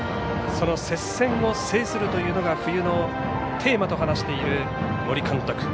その接戦を制するというのが冬のテーマと話している森監督。